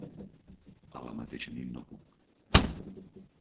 A la mateixa nit no puc.